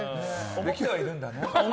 思ってはいるんだね。